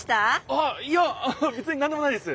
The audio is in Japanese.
あっいやべつになんでもないです。